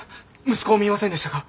息子を見ませんでしたか？